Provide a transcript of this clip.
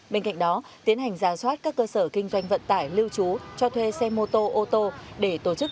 bên cạnh đó tiến hành giả soát các cơ sở kinh doanh vận tải lưu trú cho thuê xe mô tô ô tô để tổ chức